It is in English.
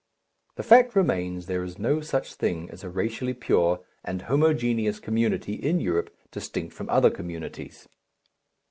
The fact remains there is no such thing as a racially pure and homogeneous community in Europe distinct from other communities.